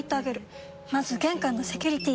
まず玄関のセキュリティ！